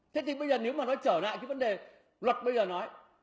thế thì bây giờ nếu mà nó trở lại cái vấn đề luật bây giờ nói